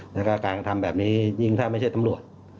แล้วก็การกระทำแบบนี้ยิ่งถ้าไม่ใช่ตำรวจ